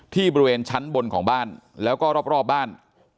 บริเวณชั้นบนของบ้านแล้วก็รอบบ้าน